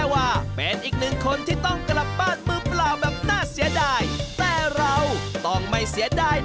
วันนี้ขอบคุณแพวาด้วย